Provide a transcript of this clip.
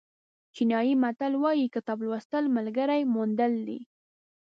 چینایي متل وایي کتاب لوستل ملګري موندل دي.